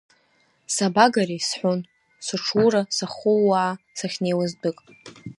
Сабагари, – сҳәон, сыҽура, сахыууаа сахьнеиуаз дәык.